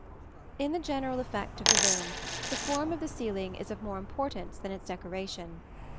] In the general effect of the room, the form of the ceiling is of more importance than its decoration.